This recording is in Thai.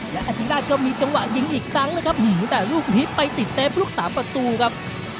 และอธิราชก็มีจังหวะยิงอีกครั้งนะครับแต่ลูกนี้ไปติดเซฟลูกสามประตูครับ